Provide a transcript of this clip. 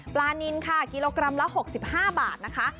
นินค่ะกิโลกรัมละ๖๕บาทนะคะ